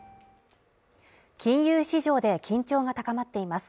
金融市場で緊張が高まっています